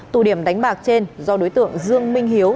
tụ điểm đánh bạc trên do đối tượng dương minh hiếu